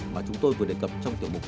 mà chúng tôi vừa đề cập trong tiểu mục